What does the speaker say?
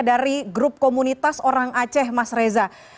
dari grup komunitas orang aceh mas reza